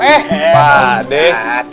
eh pak ustadz